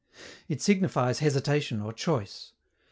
It signifies hesitation or choice.